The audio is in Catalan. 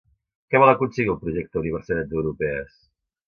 Què vol aconseguir el projecte Universitats Europees?